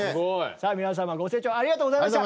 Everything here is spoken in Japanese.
さあ皆様ご清聴ありがとうございました。